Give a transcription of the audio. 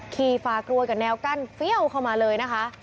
ฝากรวยกับแนวกั้นเฟี้ยวเข้ามาเลยนะคะ